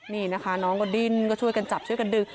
นี่นะคะน้องก็ดิ้นก็ช่วยกันจับช่วยกันดึง